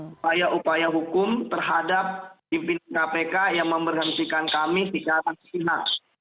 upaya upaya hukum terhadap pimpin kpk yang memberhentikan kami di kawasan pihak